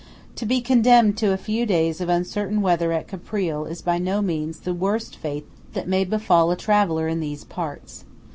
To be condemned to a few days of uncertain weather at Caprile is by no means the worst fate that may befall a traveller in these parts.